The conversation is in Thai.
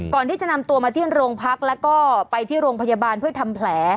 ก่อนที่จะนำตัวมาที่โรงพักแล้วก็ไปที่โรงพยาบาลเพื่อทำแผล